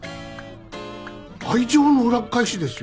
愛情の裏っ返しですよ。